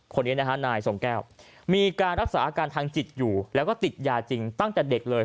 คนนี้นะฮะนายทรงแก้วมีการรักษาอาการทางจิตอยู่แล้วก็ติดยาจริงตั้งแต่เด็กเลย